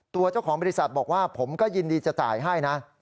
ตัวเจ้าของบริษัทบอกว่าผมก็ยินดีจะจ่ายให้นะ